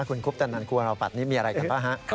คุณคุ๊บแต่นั้นกลัวเราปัดนี้มีอะไรกันป่ะฮะ